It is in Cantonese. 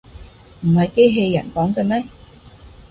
唔係機器人講嘅咩